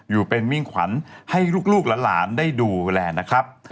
อยู่เป็นมิ่งขวัญให้ลูกหลานได้ดูแลนะครับ